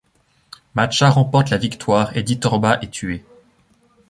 Macha remporte la victoire, et Díthorba est tué.